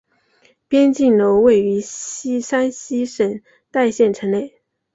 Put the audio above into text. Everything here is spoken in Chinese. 边靖楼位于山西省代县城内。